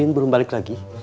irin belum balik lagi